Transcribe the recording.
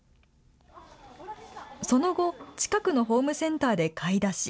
その後、近くのホームセンターで買い出し。